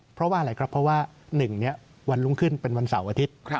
เพราะว่าอะไรครับเพราะว่า๑วันรุ่งขึ้นเป็นวันเสาร์อาทิตย์